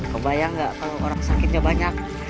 kau bayang gak kalau orang sakitnya banyak